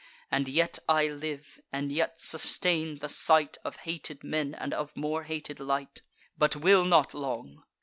And yet I live, and yet sustain the sight Of hated men, and of more hated light: But will not long."